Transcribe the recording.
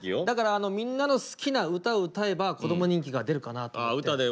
だからみんなの好きな歌を歌えば子ども人気が出るかなと思って。